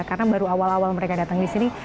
karena baru awal awal mereka datang di sini